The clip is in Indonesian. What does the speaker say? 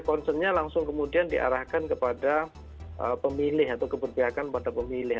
concernnya langsung kemudian diarahkan kepada pemilih atau keberpihakan pada pemilih